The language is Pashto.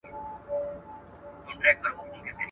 پخوا خلکو ډېر ناوړه عرفونه پر ځای کول.